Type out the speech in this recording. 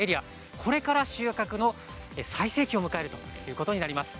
これから収穫の最盛期を迎えるということになります。